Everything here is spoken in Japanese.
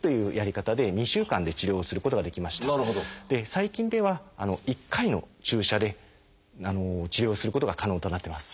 最近では１回の注射で治療することが可能となってます。